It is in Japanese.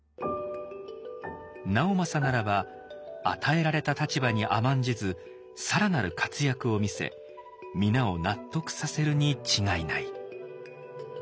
直政ならば与えられた立場に甘んじず更なる活躍を見せ皆を納得させるに違いない。